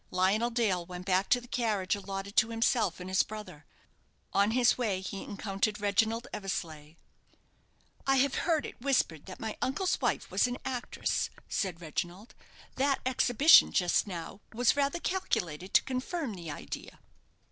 Lionel Dale went back to the carriage allotted to himself and his brother. On his way, he encountered Reginald Eversleigh. "I have heard it whispered that my uncle's wife was an actress," said Reginald. "That exhibition just now was rather calculated to confirm the idea."